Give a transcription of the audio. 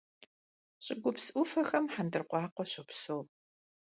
ЩӀыгупс Ӏуфэхэм хъэндыркъуакъуэ щопсэу.